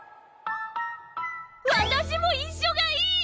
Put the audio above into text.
私も一緒がいい！